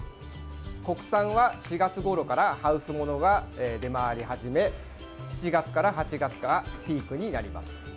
国産は４月ごろからハウスものが出回り始め７月から８月がピークになります。